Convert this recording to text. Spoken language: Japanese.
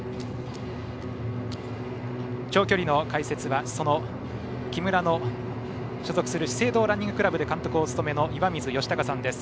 長距離の解説はその木村の所属する資生堂ランニングクラブで監督をお務めの岩水嘉孝さんです。